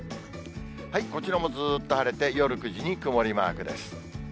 こちらもずーっと晴れて、夜９時に曇りマークです。